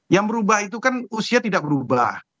yang berubah itu kan usia tidak berubah